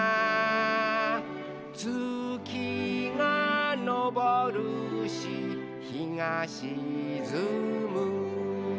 「つきがのぼるしひがしずむ」